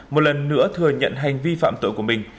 một lần nữa thừa nhận hành vi phạm tội của mình